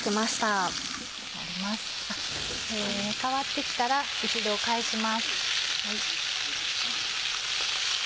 変わって来たら一度返します。